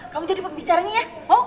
kamu jadi pembicaranya ya